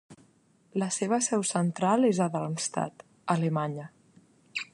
La seva seu central és a Darmstadt, Alemanya.